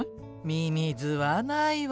ミミズはないわ。